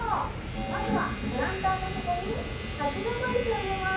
まずはプランターの底に鉢底石を入れます。